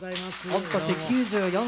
御年９４歳。